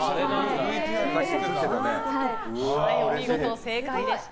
お見事、正解でした。